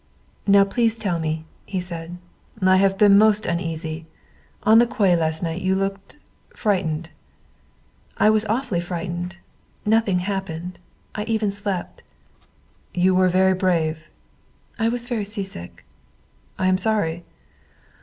"Now, please tell me," he said. "I have been most uneasy. On the quay last night you looked frightened." "I was awfully frightened. Nothing happened. I even slept." "You were very brave." "I was very seasick." "I am sorry."